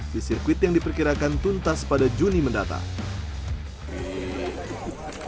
di sirkuit yang diperkirakan tuntas pada juni mendatang